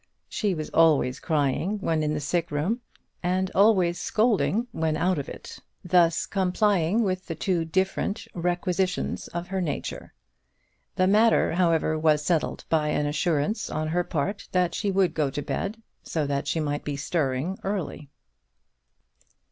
She was always crying when in the sick room, and always scolding when out of it; thus complying with the two different requisitions of her nature. The matter, however, was settled by an assurance on her part that she would go to bed, so that she might be stirring early.